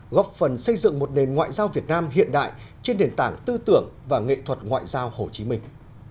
góp phần xây dựng một nền ngoại giao việt nam hiện đại trên nền tảng tư tưởng và nghệ thuật ngoại giao hồ chí minh